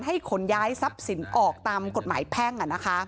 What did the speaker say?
ขนย้ายทรัพย์สินออกตามกฎหมายแพ่ง